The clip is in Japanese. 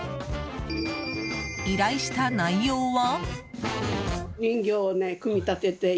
依頼した内容は？